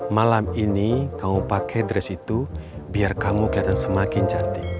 malam ini kamu pakai dress itu biar kamu kelihatan semakin cantik